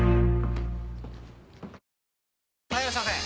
・はいいらっしゃいませ！